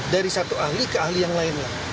dari satu ahli ke ahli yang lainnya